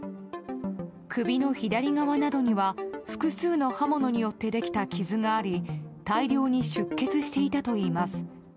首の左側などには複数の刃物によってできた傷があり大量に出血していたといいます。